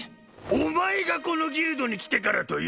お前がこのギルドに来てからというもの